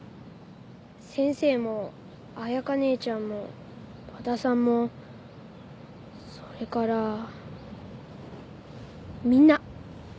先生も彩佳ねえちゃんも和田さんもそれからみんな。